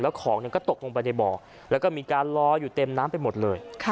แล้วของเนี้ยก็ตกลงไปในบ่อแล้วก็มีการรออยู่เต็มน้ำไปหมดเลยค่ะ